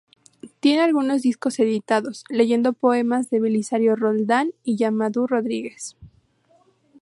Tiene algunos discos editados, leyendo poemas de Belisario Roldán y Yamandú Rodríguez.